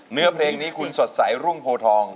เนื้อเพลงนี้คุณสดใสรุ่งโพทอง